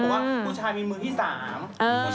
อะไรแบบนี้